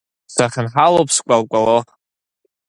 Сахьынҳалоуп скәалкәало.